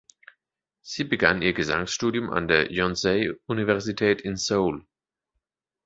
Sie begann ihr Gesangsstudium an der Yonsei-Universität in Seoul.